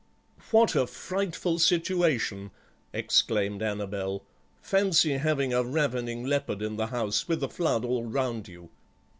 "What a frightful situation!" exclaimed Annabel; "fancy having a ravening leopard in the house, with a flood all round you."